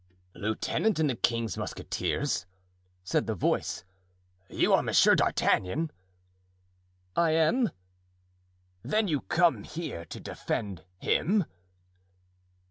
"Lieutenant in the king's musketeers?" said the voice; "you are Monsieur d'Artagnan?" "I am." "Then you came here to defend him?"